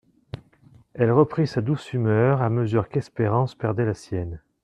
Elle reprit sa douce humeur à mesure qu'Espérance perdait la sienne.